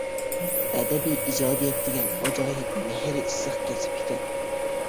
ئەدەبىي ئىجادىيەت دېگەن ئاجايىپ مېھرى ئىسسىق كەسىپ ئىكەن.